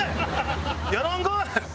やらんかい！